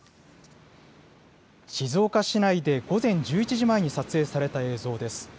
静岡市内で午前１１時前に撮影された映像です。